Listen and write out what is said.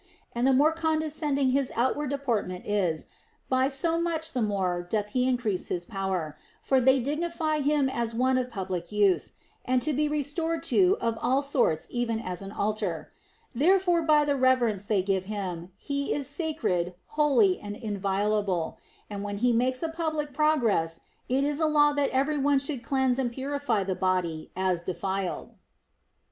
And the more condescending his outward deportment is, by so much the more doth he increase in his power ; for they dignify him as one of public use, and to be resorted to of all sorts even as an altar ; therefore by the reverence they give him, he is sacred, holy, and inviolable ; and when he makes a public progress, it is a law that every one should cleanse and purify the body as defiled.